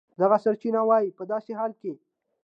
دغه سرچینه وایي په داسې حال کې